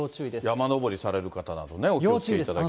山登りされる方などね、お気をつけいただきたい。